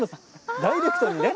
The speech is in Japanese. ダイレクトにね。